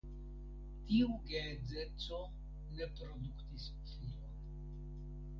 Tiu geedzeco ne produktis filon.